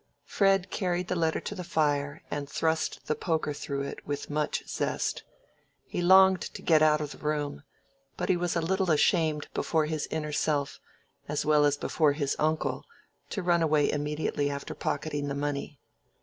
Fred carried the letter to the fire, and thrust the poker through it with much zest. He longed to get out of the room, but he was a little ashamed before his inner self, as well as before his uncle, to run away immediately after pocketing the money.